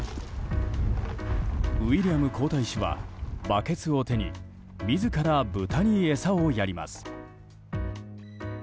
ウィリアム皇太子はバケツを手に自らブタに餌をやります。